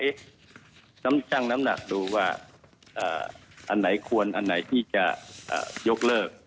เอ๋ตั้งสั่งน้ำหนักดูอ่านไหนควรอ่านไหนที่จะยกเลิก